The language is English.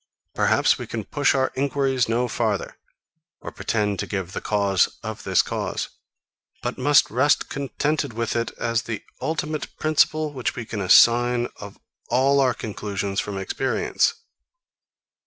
Perhaps we can push our enquiries no farther, or pretend to give the cause of this cause; but must rest contented with it as the ultimate principle, which we can assign, of all our conclusions from experience.